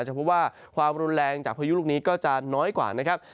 เพราะว่าความรุนแรงจากพายุลูกนี้ก็จะน้อยกว่านะครับ